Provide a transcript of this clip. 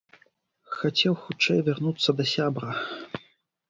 Хацеў хутчэй вярнуцца да сябра.